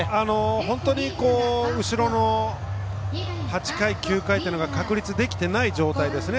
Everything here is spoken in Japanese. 本当に後ろの８回９回というのが確立できていない状態ですね